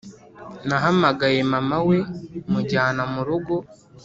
nahamagaye mama we mujyana murugo